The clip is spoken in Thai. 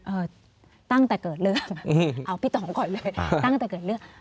เอ่อตั้งแต่เกิดเรื่องอืมเอาพี่ต่องก่อนเลยตั้งแต่เกิดเรื่อง